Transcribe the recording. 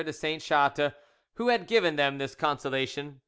de Saint Chatte, who had given them this consolation.